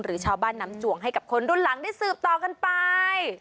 ชาวบ้านน้ำจวงให้กับคนรุ่นหลังได้สืบต่อกันไป